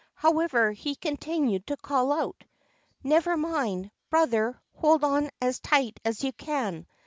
However, he continued to call out: "Never mind, brother; hold on as tight as you can.